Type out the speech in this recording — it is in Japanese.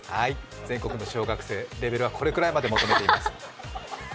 全国の小学生、レベルはこのくらいまで求めています。